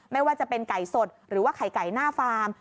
ไม่ว่าจะเป็นไก่สดหรือว่าไข่ไก่หน้าฟาร์ม